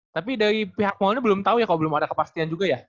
tapi dari pihak mallnya belum tahu ya kalau belum ada kepastian juga ya